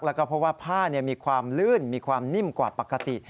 แล้วก็เพราะว่าผ้ามีความลื่นมีความนิ่มกว่าปกติ